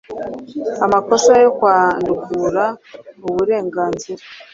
amakosa yo kwandukura uburenganzira